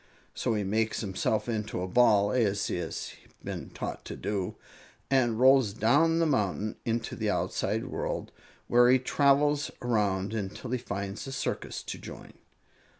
So he makes himself into a ball, as he has been taught to do, and rolls down the mountain into the outside world, where he travels around until he finds a circus to join."